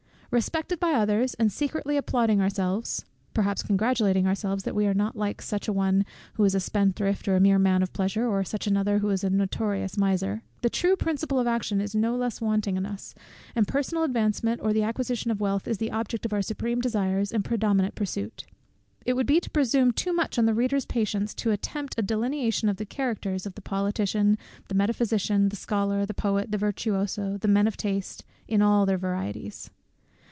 Respected by others, and secretly applauding ourselves, (perhaps congratulating ourselves that we are not like such an one who is a spendthrift or a mere man of pleasure, or such another who is a notorious miser) the true principle of action is no less wanting in us, and personal advancement or the acquisition of wealth is the object of our supreme desires and predominant pursuit. It would be to presume too much on the reader's patience to attempt a delineation of the characters of the politician, the metaphysician, the scholar, the poet, the virtuoso, the man of taste, in all their varieties.